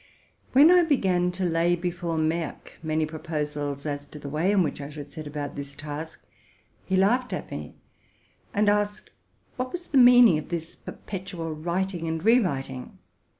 When I began to lay before Merck many proposals as to the way in which I should set about this task, he laughed at me, and asked what was the meaning of this perpetual writ ing and re writing?